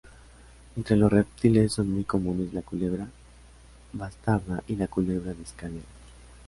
Entre los reptiles son muy comunes la culebra bastarda y la culebra de escalera.